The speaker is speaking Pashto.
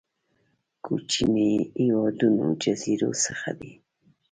کوچنيو هېوادونو جزيرو څخه دي.